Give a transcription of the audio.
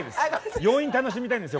余韻楽しみたいんですよ